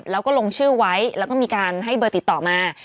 แล้วก็ลงชื่อไว้แล้วก็มีการให้เบอร์ติดต่อมา